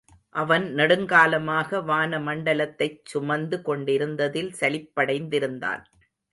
அவன் நெடுங்காலமாக வான மண்டலத்தைச் சுமந்துகொண்டிருந்ததில் சலிப்படைந்திருந்தான்.